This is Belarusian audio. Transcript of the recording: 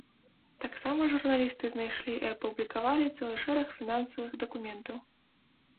Таксама журналісты знайшлі і апублікавалі цэлы шэраг фінансавых дакументаў.